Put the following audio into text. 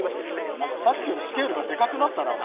何かさっきよりスケールがでかくなったなおい。